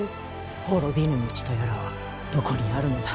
滅びぬ道とやらはどこにあるのだ。